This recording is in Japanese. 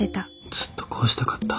ずっとこうしたかった。